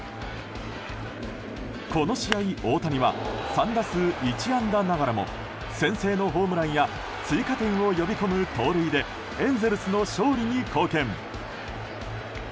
この試合、大谷は３打数１安打ながらも先制のホームランや追加点を呼び込む盗塁でエンゼルスの勝利に貢献。